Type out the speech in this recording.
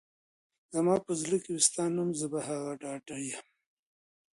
زما په زړه کي وي ستا نوم ، زه په هغه ډاډه يم